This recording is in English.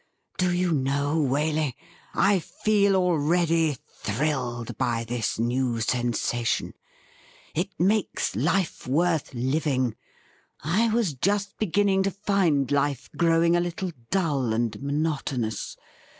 Do you know, Waley, I feel already thrilled by this new sensation ! It makes life worth living. I was just begin ning to find life gi owing a little dull and monotonous.